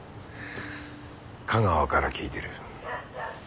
架川から聞いてる。